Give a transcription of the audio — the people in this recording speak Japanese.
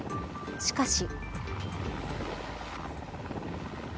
しかし。